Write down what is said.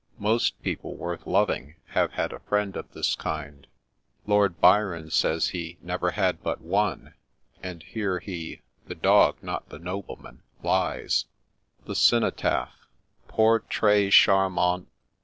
Most people worth loving have had a friend of this kind ; Lord Byron says he ' never had but one, and here he (the dog, not the nobleman,) lies I * THE CYNOTAPH Poor Tray charmant !